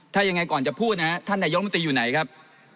ถ้ายังไงก่อนจะพูดนะครับท่านนายกมนตรีอยู่ไหนครับ